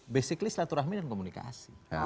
basically silaturahmi dan komunikasi